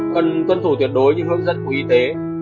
cần tuân thủ tuyệt đối những hướng dẫn của y tế